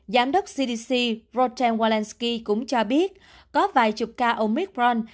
giám đốc cdc rodan walensky cũng cho biết có vài chục ca omicron